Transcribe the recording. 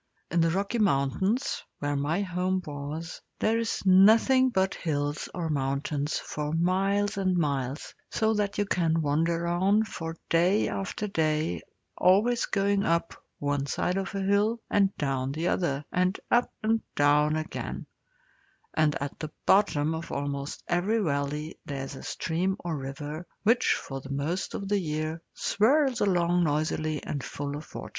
In the Rocky Mountains, where my home was, there is nothing but hills, or mountains, for miles and miles, so that you can wander on for day after day, always going up one side of a hill and down the other, and up and down again; and at the bottom of almost every valley there is a stream or river, which for most of the year swirls along noisily and full of water.